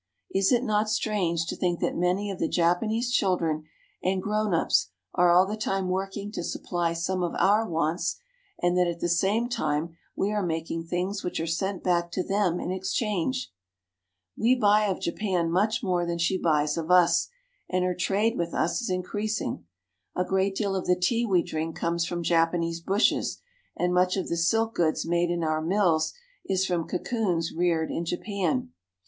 Is it not strange to think that many of the Japanese children arid Sawmill. 92 JAPAN grown ups are all the time working to supply some of our wants, and that at the same time we are making things which are sent back to them in exchange ! We buy of Japan much more than she buys of us, and her trade with us is increasing. A great deal of the tea we drink comes from Japanese bushes, and much of the Making Matting. silk goods made in our mills is from cocoons reared in Japan.